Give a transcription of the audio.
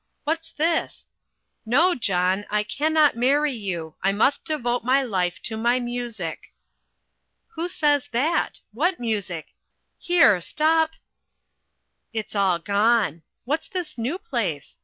what's this? "NO, JOHN, I CANNOT MARRY YOU. I MUST DEVOTE MY LIFE TO MY MUSIC." Who says that? What music? Here, stop It's all gone. What's this new place?